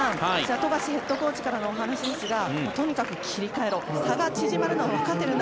富樫ヘッドコーチからのお話ですがとにかく切り替えろ差が縮まるのはわかっているんだ